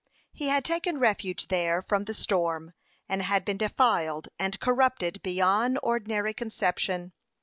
He had taken refuge there from the storm; and had been defiled and corrupted beyond ordinary conception.